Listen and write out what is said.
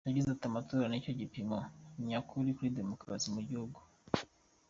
Yagize ati “ Amatora ni cyo gipimo nyakuri cya demokarasi mu gihugu.